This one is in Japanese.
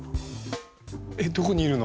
えっどこにいるの？